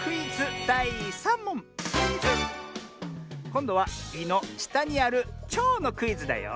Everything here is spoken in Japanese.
こんどは「い」のしたにあるちょうのクイズだよ。